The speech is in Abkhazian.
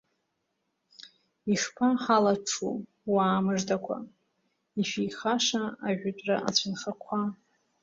Ишԥаҳалаҽу уаа мыждақәа, ишәихаша ажәытәра ацәынхақәа.